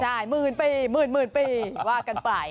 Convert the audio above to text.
ใช่หมื่นปีหมื่นปีว่ากันไป